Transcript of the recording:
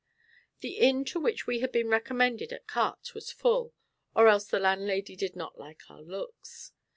The inn to which we had been recommended at Quartes was full, or else the landlady did not like our looks.